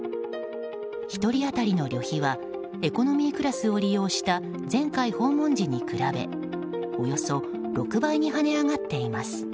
１人当たりの旅費はエコノミークラスを利用した前回訪問時に比べおよそ６倍に跳ね上がっています。